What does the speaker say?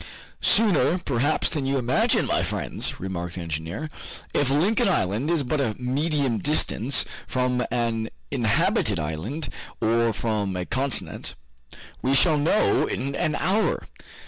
"Sooner, perhaps, than you imagine, my friends," remarked the engineer, "if Lincoln Island is but a medium distance from an inhabited island, or from a continent. We shall know in an hour.